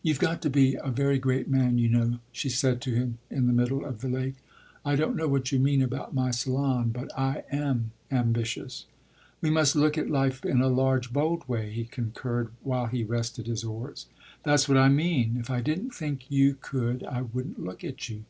"You've got to be a very great man, you know," she said to him in the middle of the lake. "I don't know what you mean about my salon, but I am ambitious." "We must look at life in a large, bold way," he concurred while he rested his oars. "That's what I mean. If I didn't think you could I wouldn't look at you."